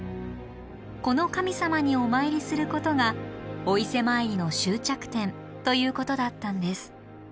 この神様にお参りすることがお伊勢参りの終着点ということだったんです。